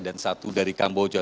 dan satu dari kamboja